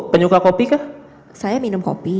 penyuka kopi kan saya minum kopi